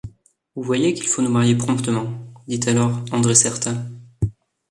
Vous voyez qu’il faut nous marier promptement! dit alors André Certa.